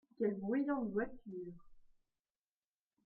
Quelles bruyantes voitures !